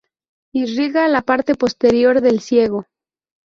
Irriga la parte posterior del ciego.